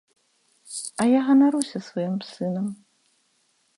А я ганаруся сваім сынам.